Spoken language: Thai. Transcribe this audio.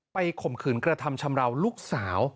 ข่มขืนกระทำชำราวลูกสาว